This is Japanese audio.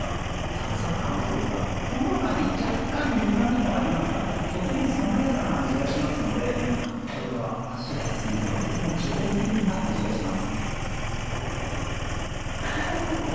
サクサク感もそうですがほのかに若干、苦みもありますがとても爽やかな味がしますのでこれは、箸が進みそうな上品な味がします。